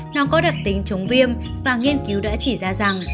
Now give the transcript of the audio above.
nó có đặc tính chống viêm và nghiên cứu đã chỉ ra rằng